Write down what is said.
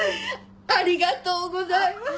ありがとうございます。